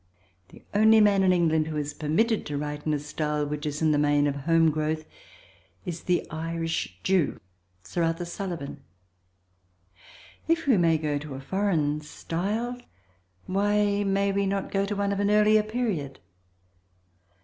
The only man in England who is permitted to write in a style which is in the main of home growth is the Irish Jew, Sir Arthur Sullivan. If we may go to a foreign style why may we not go to one of an earlier period?